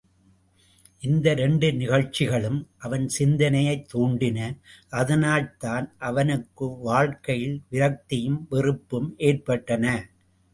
இந்த இரண்டு நிகழ்ச்சிகளும் அவன் சிந்தனையைத் தூண்டின அதனால்தான் அவனுக்கு வாழ்க்கையில் விரக்தியும் வெறுப்பும் ஏற்பட்டன.